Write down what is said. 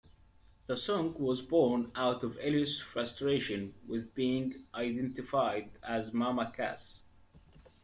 The song was born out of Elliot's frustration with being identified as "Mama Cass".